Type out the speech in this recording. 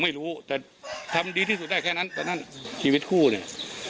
ไม่รู้แต่ทำดีที่สุดได้แค่นั้นตอนนั้นชีวิตคู่เนี่ย